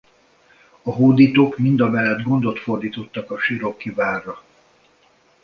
A hódítók mindamellett gondot fordítottak a siroki várra.